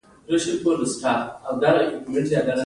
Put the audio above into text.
هدف دا دی چې د مغز مینځلو مخه ونیول شي.